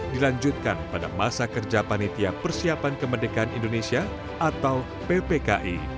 dilanjutkan pada masa kerja panitia persiapan kemerdekaan indonesia atau ppki